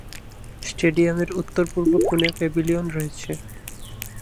স্টেডিয়ামের উত্তরপূর্ব কোনে প্যাভিলিয়ন রয়েছে।